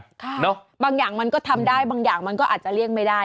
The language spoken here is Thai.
ค่ะเนอะบางอย่างมันก็ทำได้บางอย่างมันก็อาจจะเลี่ยงไม่ได้